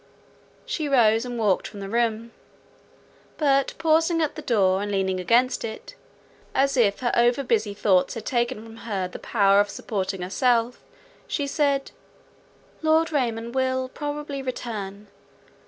She rose, and walked from the room; but pausing at the door, and leaning against it, as if her over busy thoughts had taken from her the power of supporting herself, she said, "Lord Raymond will probably return.